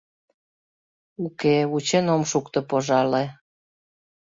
— Уке, вучен ом шукто, пожале.